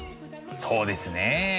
そうですね。